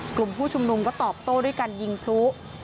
กลุ่มผู้ชุมนุมก็ตอบโต้ด้วยการยิงพลุ